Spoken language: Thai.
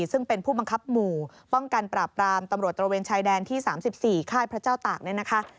ซึ่งเป็นผู้บังคับหมู่ป้องกันปราบรามตำรวจตระเวนชายแดนที่๓๔ค่ายพระเจ้าตากเนี่ยนะคะ